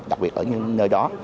đặc biệt ở những nơi đó